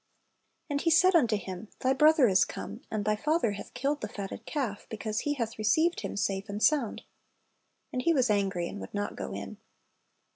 And he said unto him, Thy brother is come; and thy father hath killed the fatted calf, because he hath received him safe and sound. And he was angry, and would not go in."